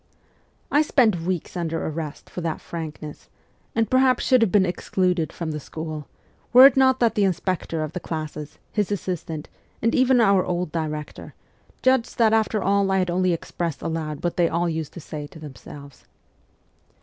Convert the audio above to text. I spent weeks under arrest for that frankness, and perhaps should THE CORPS OF PAGES 127 have been excluded from the school, were it not that the inspector of the classes, his assistant, and even our old director, judged that after all I had only expressed aloud what they all used to say to themselves.